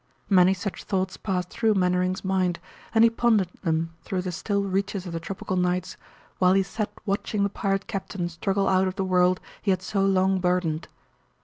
Many such thoughts passed through Mainwaring's mind, and he pondered them through the still reaches of the tropical nights while he sat watching the pirate captain struggle out of the world he had so long burdened.